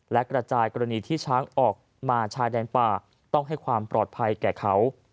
และกระจายกรณีที่ช้างออกมาชายแดนป่าต้องให้ความปลอดภัยแก่เขา